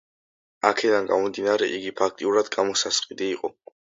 აქედან გამომდინარე, იგი ფაქტიურად გამოსასყიდი იყო.